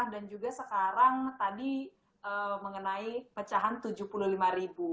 dan juga sekarang tadi mengenai pecahan tujuh puluh lima ribu